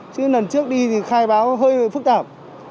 chứ lần trước đi thì khai báo hơi phức tạp